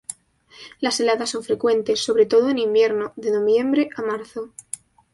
Las heladas son frecuentes, sobre todo en invierno, de noviembre a marzo.